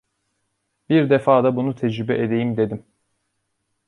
Bir defa da bunu tecrübe edeyim dedim.